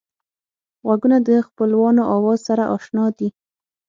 غوږونه د خپلوانو آواز سره اشنا دي